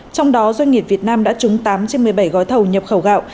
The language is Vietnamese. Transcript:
trong đó doanh nghiệp việt nam đã trúng tám trên một mươi bảy gói thầu nhập khẩu gạo